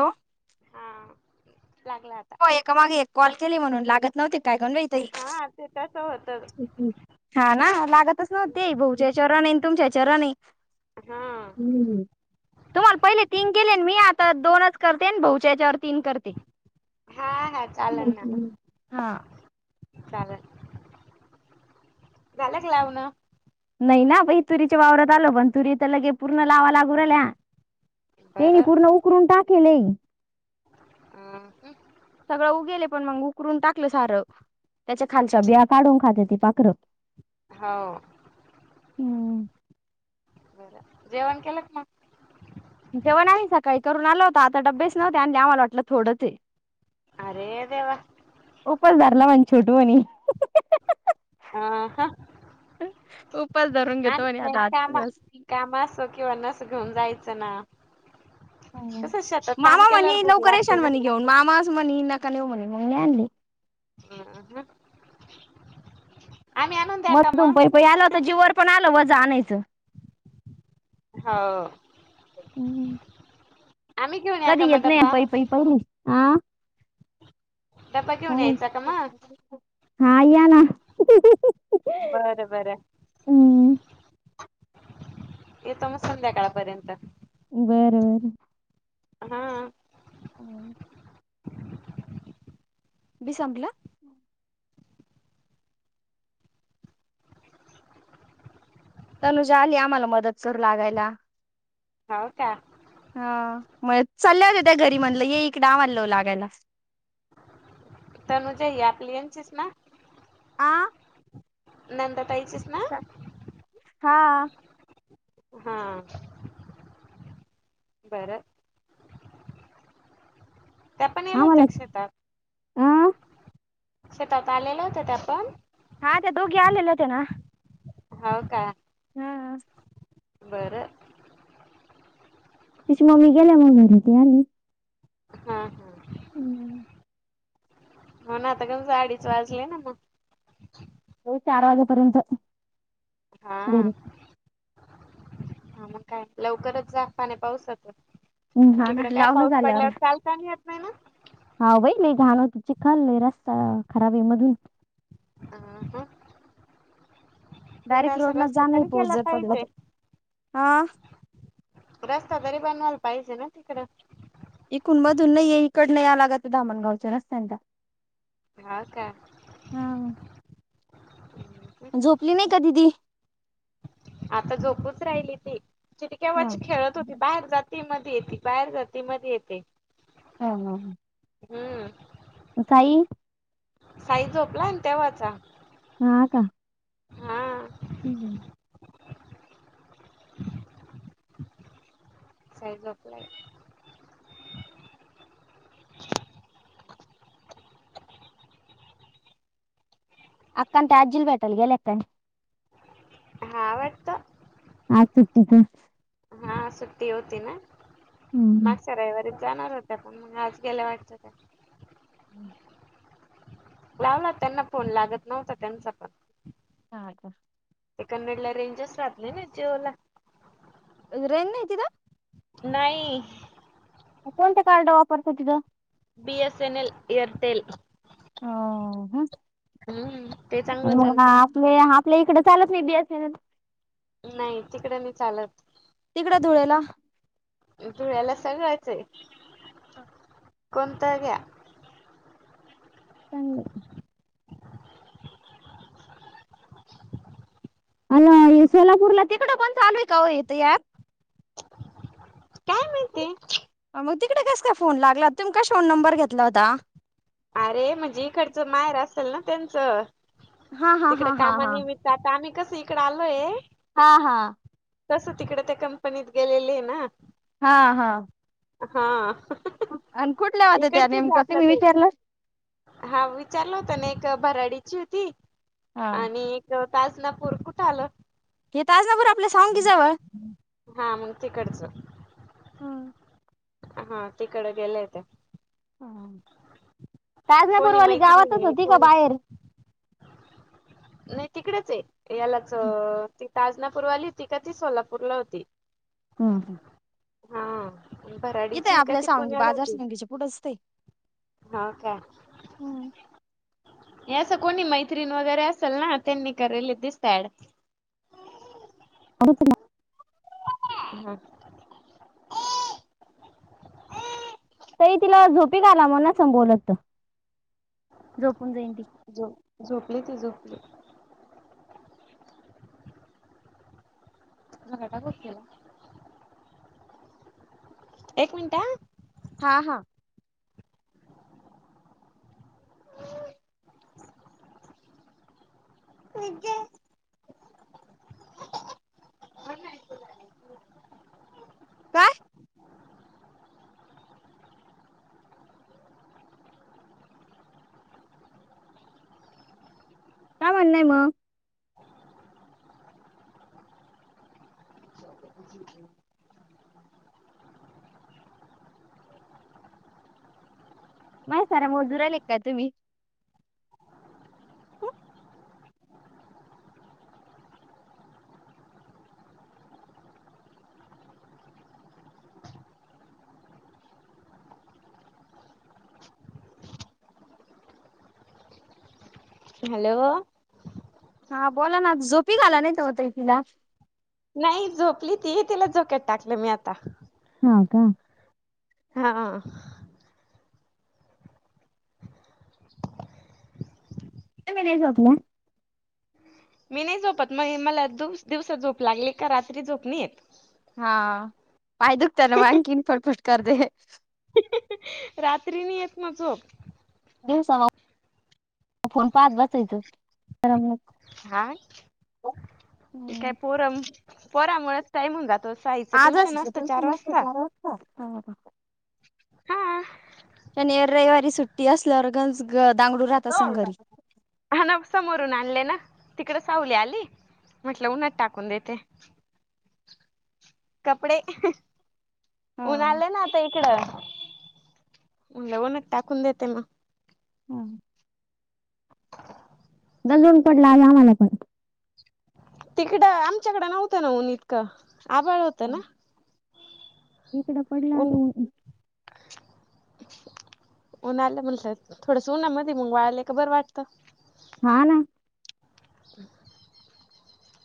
हो हा. लागला आता हो एका माग एक कॉल केले म्हणून लागत नव्हते काय [unintelligible] हा ते तस होत हा ना लागतच नव्हते भाऊच्या हेच्यावर आणि तुमच्या हेच्यावर आणि हा तुम्हाला पहिले तीन केलेना मी आ तर दोनच करते आणि भाऊच्या हेच्यावर तीन करते हा हा [unintelligible] हा. चालल, झालं की लावूनं. नाही ना बाई, तुरीच्या वावरात आलो पण तुरी तर लगे पूर्ण लावा ला गुरल्या, तेनी बरं पूर्ण उकरून टाकीलेय अ सगळं उगेले पण मग उकरून टाकलं सारं त्याच्या खालच्या बिया काढून खाते ती पाखरं. होव, जेवण केल का मऽ जेवन आहे, सकाळी करून आलो होतो, आता डबेच नव्हते आणले आम्हाला वाटलं थोडं तेऽ अरे देवा! छोटूवानी,, अह हं, उपास धरून ह घेतो म्हणे नाही आता आजचा कामा, दिवस. काम असऽ किंवा नस घेऊन जायचं ना. ह, कसं शेतात काम मामा केल्यावर म्हणे भूक लवकरे लागते शान ना म्हणी घेऊन, मामाऽ मणी ना काऊ मणी मग आणली. हा. मग दुमपई पई आलं होत जीवर पण आल वज आणायचं हो. हम्म. आम्ही घेऊन या का कधी मग येत नाही, डब्बा पै पै पहिली, आं डब्बा घेऊन यायचा का मग हा, या ना बर, बर. हम्म येतो मग संध्याकाळपर्यंत बरं. हा, हम्, बि संपलं. तनुजा आली आम्हाला मदत करू लागायला. होव का? हा,, म चालल्या होत्या घरी मनलं ये एक डाव लागायला. [inaudible] तनुजा हि आपली हंनचीच ना. आं,, नंदा ताईचस ना. हा, हा बरं, त्या पण येलात शेतात. आं, शेतात आलेलं होत त्या पणऽ हा, ते दोघी आलेल होतेेना. हो का? हा हा, बरं, तिची मम्मी गेल्या मनुन ती आली. हा हम, हम्म, मण आता काण आडीच वाजलेय ना मगऽ जाऊ चार वाजेपर्यंत हा घरी. हा, मग काय लवकरच जा पाने पाऊसातन.. हा ना तिकड काय लावून पाऊस झाल्यावर. पडल्यावर चाल ताहि येत नाही ना. हा वई लय घाणं होतय, चिखल लय रस्ता खराब आहे मधून. अहं ह तिकडे डायरेक्ट असा रोड न रस्ता जाणं आहे तरी पाऊस केला जर पडला पाहिजे तर. हा रस्ता तरी बनवायला पाहिजे ना तिकडं इकून मधून नाहीय इकडन यावं लागत धामणगावच्या रस्त्यान त्या हा का? हा झोपली नाही का दीदी आता झोपूच राहिली ती तिथ हा केव्हाची खेळत होती बाहेर जात. मधी येती बाहेर जाती मधी येते. हा हा. हम्म. अ काही साई झोपलाय न तेव्हाचा हा का? हा हम्म साई झोपलाय अक्का न त्या आजीला भेटायला गेल्या काय हा वाटत आज सुट्टी का हा सुट्टी होती ना मागच्या रविवारीच जाणार होते पण मग आज गेल्या वाटत त्या हम्म लावला त्यांना फोन लागत नव्हता त्यांचा पण हा का? ते कन्नड ला रेंजच राहत नाही ना जिओ ला रेंज नाही तिथं. नाही. कोणत कार्ड वापरत तिथ. B S N L Airtel. ह. हम्म ते चांगलं चालतं. आपल्या इकडं चालत नाही बी एस एन एल नाही तिकड नाही चालत. तिकड धुळेला धुळ्याला सगळंच आहे. हा. कोणत घ्या. चांगल. आलो आये सोलापूरला तिकड पण चालू आहे का हो ताई हे ऍप काय माहिती मग तिकड कस काय फोन लागला तुम्ही कशावरून नंबर घेतला होता. अरे म्हणजे इकडच माहेर असेल ना त्यांचं हा हा तिकड हा हा कामा हा निमित्त आता आम्ही कस इकडे आलोय. हा हा. तस तिकडे ते कंपनीत गेलेले हे ना. हा हा. हा. आणि कुठल्या होत त्या इकडचेच नेमक आपलं तुम्ही ते विचारलं. हा विचारला होता ना एक भराडीची होती हा. आणि एक तासनापूर कुठ आलं. हे तज ना बर आपलं सॉग घीजवळ हा मग हा तिकडे गेलेय ते कोणी ताजनपूरवाली मैत्री गावातच नाही होती का कोणी बाहेर नाही तिकडेच आहे यालाच ती ताजनापूरवाली होती का ती सोलापूरला होती. हम् हम् हा भराडीची का ती सावंगी पुण्याला बाजार होती. सावंगीच्या पुढंच ते. हो का हे असं कोणी मैत्रीण वगैरे असेल ना त्यांनी करले दिसत आहे ऍड अडप ना [inaudible] ह [inaudible] त तिला झोपी का आला म्हना संबवोलत झो [inaudible] झप झोपली ती झोपली, मगटा गोतला [inaudible] एक मिनिटा हा हा. [unintelligible] ठीक आहे. काय? काय म्हणणंय मग ही माझ सारा मजूरा आले का तुम्ही हॅलो. हा बोला ना झोपी घ आला नाही त हो ताई तिला नाही झोपली तीही तिला झोक्यात टाकलं मी आता का हा प मी नाही झोपत मग मला दिवसात झोप लागली का रात्री झोपणीत हा पाय दुखत ना मन कीन फटफट कर दे रात्री नि येत मग झोप दिवसा फोन पहात बचायचं म हा हम्म काय पोर पोरामुळेच टाईम होऊन जात, आजच बिकु मस्त वा शनि रविवारी सुट्टी असल्यावर गंज ग दांगडू राहत असन घरी हो समोरून आणले ना, तिकड सावली आली म्हटलं उन्हात टाकून देते, कपडे ऊन आले ना आता इकडं म्हणलं उन्हात टाकून देते मग हम् नजून पडला आ आम्हाला पण तिकड आमच्याकडें नव्हतं ऊन इतकं आभाळ होत नान, इकडं पडला आता ऊन ऊन आलं म्हट थोडस उना मध मग वाळले का बरं वाटत, हा ना हम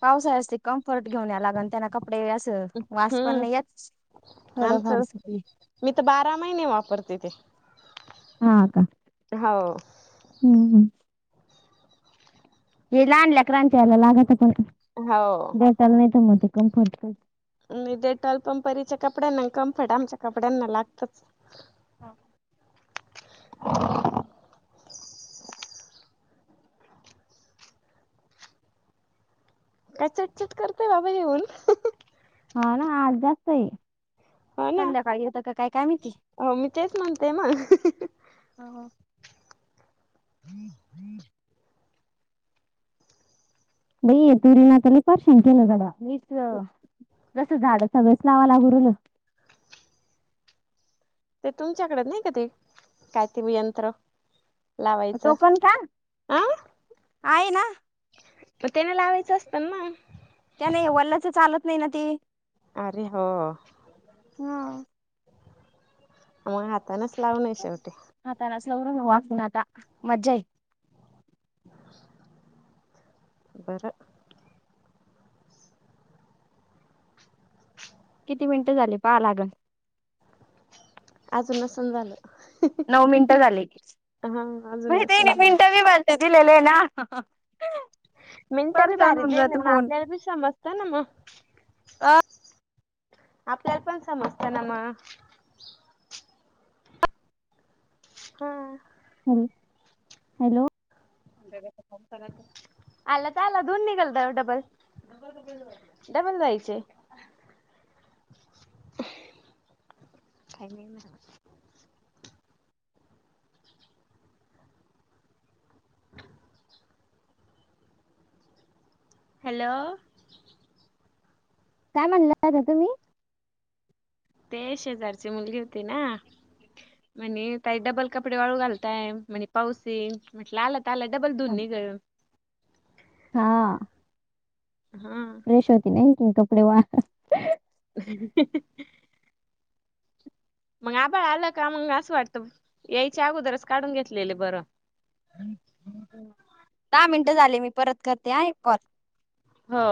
पावसाळ्या अस ते कम्फर्ट घेऊन या लागण त्यांना कपडे असं वास पण हम्म नाही या आमचं मी तर बारा महिने वापरते ते हा का हो हम्म हम् हे लहान लेकरांच्या याला लागा पण हो डेटॉल नाही तर मध्ये कम्फर्ट डेटॉल कंपनीचं कपड्यांना कमफट आमच्या कपड्यांना लागतच हा ह ह. काय चटचट करतय बया येेऊन हा ना आज जास्त आहे. हो ना संध्याकाळी येतं का काय काय माहिती? हो मी तेच म्हणते मग. हमम हम् बई तुर ना तले परेशान केल्या गड्या. जस झाड सगळेच लावा लागले. ते तुमच्याकडे नाही काय ते यंत्र लावायचं हं आयना. मग त्याने लावायचं असतं ना त्या नाही वल्लाचं चालत नाही ना ते आरे हो हं. मग हातानेचं लावणं शेवटी स वा [unintelligible] सु नाता मज्जा आहे. बरं किती मिनिटं झाली पाहा लागलं. अजून नसणं झालं. नऊ मिनिटं झाली हा अजून म्हणजे ते नसन नऊ झालं मिनिटं दिलेले आहे ना मिंट बी परचन भारी होऊन दिलेला ना जात मग फोन आपल्याला बी समजत ना मग हं आपल्याला पण समजत ना म हम् ह हॅलो! आला तर आला दोन निघल डबल डबल जायचे कायम म हॅलो! काय म्हणल्या तुम्ही ते शेजारची मुलगी होती ना म्हणे काही डबल कपडे वाळू घालताय म्हणे पावस इन म्हटलं आलं तर आला डबल धून निघलं हा हा फ्रेश होती नाही की कपडे वा [unintelligible] मग आभाळ आला का मग असं वाटत यायच्या अगोदरच काढून घेतलेले बरं हम् दहा मिनटं झाले मी परत करते हं एक कॉल हा